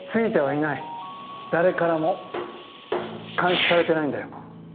誰からも監視されてないんだよ。